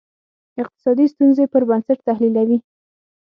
اقتصادي ستونزې پر بنسټ تحلیلوي.